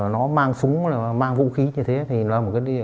nó mang súng mang vũ khí như thế thì nó